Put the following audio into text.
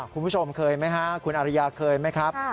คุณผู้ชมเคยไหมฮะคุณอริยาเคยไหมครับ